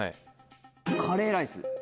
カレーライス。